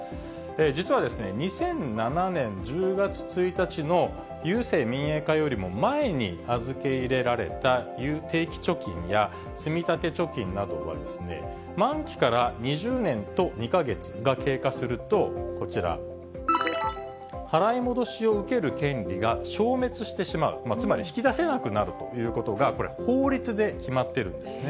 実は、２００７年１０月１日の郵政民営化よりも前に預け入れられた定期貯金や積み立て貯金などは、満期から２０年と２か月が経過すると、こちら、払い戻しを受ける権利が消滅してしまう、つまり引き出せなくなるということが、これ、法律で決まっているんですね。